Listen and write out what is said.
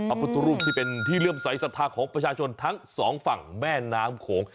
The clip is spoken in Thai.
พระพุทธรูปที่เป็นที่เลื่อมใสสัทธาของประชาชนทั้งสองฝั่งแม่น้ำโขง